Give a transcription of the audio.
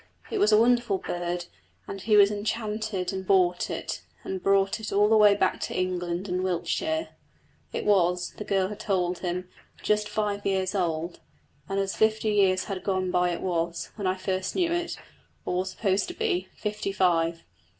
It was a wonderful bird, and he was enchanted and bought it, and brought it all the way back to England and Wiltshire. It was, the girl had told him, just five years old, and as fifty years had gone by it was, when I first knew it, or was supposed to be, fifty five.